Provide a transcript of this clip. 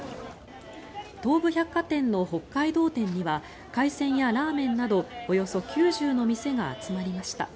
東武百貨店の北海道展には海鮮やラーメンなどおよそ９０の店が集まりました。